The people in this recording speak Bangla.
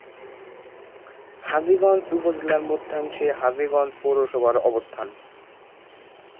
হাজীগঞ্জ উপজেলার মধ্যাংশে হাজীগঞ্জ পৌরসভার অবস্থান।